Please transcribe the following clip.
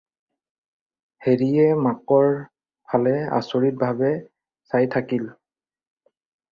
হেৰিয়ে মাকৰ ফালে আচৰিতভাৱে চাই থাকিল।